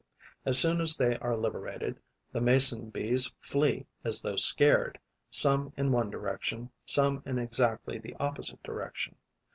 As soon as they are liberated, the Mason bees flee as though scared, some in one direction, some in exactly the opposite direction.